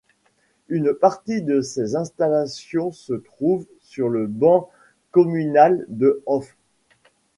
Une partie de ses installations se trouvent sur le ban communal de Hoff.